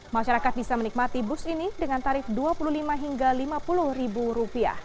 masyarakat bisa menikmati bus ini dengan tarif rp dua puluh lima hingga rp lima puluh